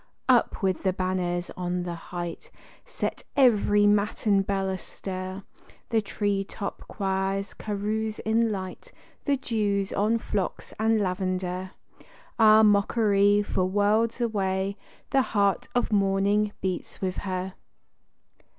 Up with the banners on the height, set every matin bell astir! The tree top choirs carouse in light; the dew's on phlox and lavender: Ah, mockery! for, worlds away, the heart of morning beats with her.